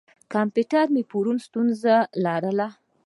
کمپیوټر مې پرون ستونزه لرله.